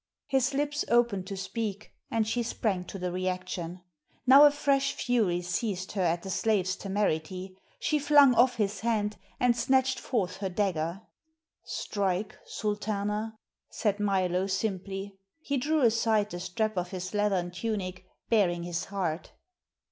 His lips opened to speak; and she sprang to the reaction. Now a fresh fury seized her at the slave's temerity; she flung off his hand, and snatched forth her dagger. "Strike, Sultana," said Milo simply. He drew aside the strap of his leathern tunic, baring his heart.